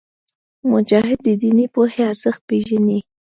مجاهد د دیني پوهې ارزښت پېژني.